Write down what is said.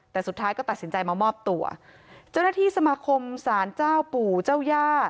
แต่สุดท้ายก็ตัดสินใจมามอบตัวเจ้าหน้าที่สมาคมสารเจ้าปู่เจ้าย่า